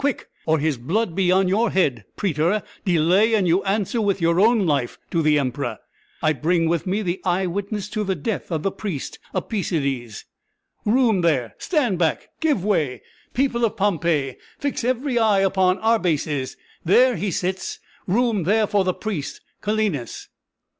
Quick! or his blood be on your head. Prætor, delay, and you answer with your own life to the Emperor! I bring with me the eye witness to the death of the priest Apæcides. Room there, stand back, give way. People of Pompeii, fix every eye upon Arbaces; there he sits! Room there for the priest Calenus!"